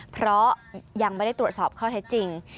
เพราะยังไม่ได้ตรวจสอบข้อเท็จจริง